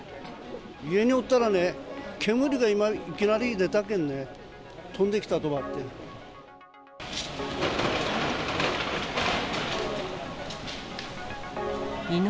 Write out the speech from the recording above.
家におったらね、煙が今、いきなり出たけんね、飛んできたとばってん。